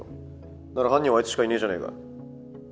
なら犯人はあいつしかいねぇじゃねぇか。